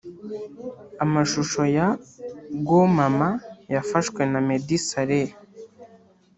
Amashusho ya Go Mama yafashwe na Meddy Saleh